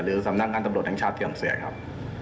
หรือสำนางการตำลดแห่งชาติเสื่อมเสียครับ